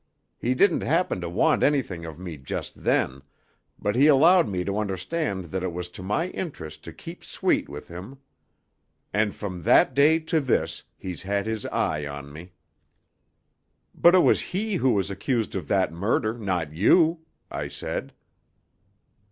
He didn't happen to want anything of me just then, but he allowed me to understand that it was to my interest to keep sweet with him. And from that day to this he's had his eye on me." "But it was he who was accused of that murder, not you," I said.